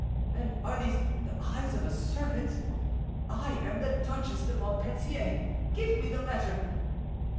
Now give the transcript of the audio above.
—and are these the eyes of a servant? I am the Duchesse de Montpensier; give me the letter."